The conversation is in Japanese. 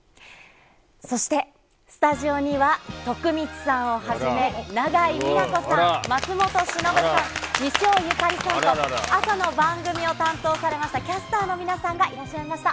そして、スタジオには徳光さんをはじめ、永井美奈子さん、松本志のぶさん、西尾由佳理さんと、朝の番組を担当されましたキャスターの皆さんがいらっしゃいました。